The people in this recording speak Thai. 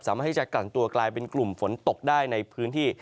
สามารถที่จะกลั่นตัวกลายเป็นกลุ่มฝนตกได้ในพื้นที่